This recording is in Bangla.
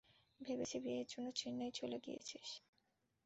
ভেবেছি বিয়ের জন্য চেন্নাই চলে গিয়েছিস।